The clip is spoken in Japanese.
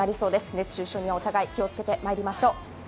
熱中症には、お互い気をつけてまいりましょう。